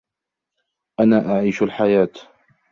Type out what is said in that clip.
أنا أعيش الحياة.